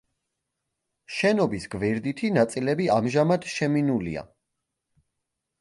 შენობის გვერდითი ნაწილები ამჟამად შემინულია.